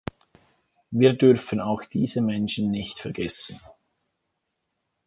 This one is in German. Wir dürfen auch diese Menschen nicht vergessen.